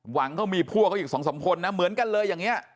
หวังเขามีพวกเขาอีก๒๓คนนะเหมือนกันเลยอย่างนี้